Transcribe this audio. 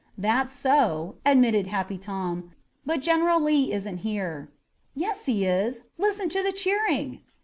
"That's so," admitted Happy Tom; "but General Lee isn't here. Yes, he is! Listen to the cheering!"